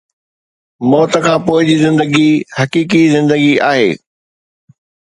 موت کان پوءِ جي زندگي حقيقي زندگي آهي